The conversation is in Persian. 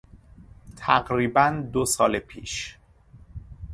تقریبا دو سال پیش